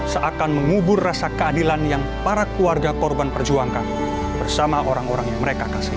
seakan mengubur rasa keadilan yang parahkan terhadap kerajaan yang menyebabkan kematian ratusan korban dengan tindakan para pelaku